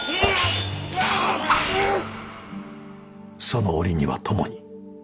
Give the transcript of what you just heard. その折には共に。